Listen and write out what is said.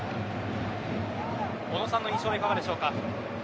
小野さんの印象はいかがでしょうか？